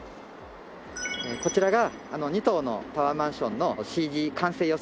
こちらが２棟のタワーマンションのＣＧ完成予想